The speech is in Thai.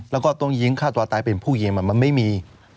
แล้วก็ต้องยิงฆ่าตัวตายเป็นผู้ยิงมันไม่มี